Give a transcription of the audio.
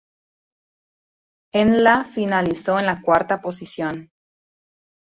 En la finalizó en la cuarta posición.